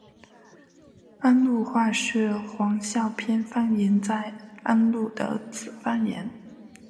安陆话是黄孝片方言在安陆的子方言。